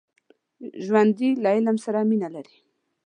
ژوندي له علم سره مینه لري